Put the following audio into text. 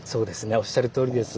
おっしゃるとおりです。